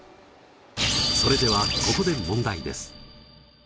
それではここで問題です。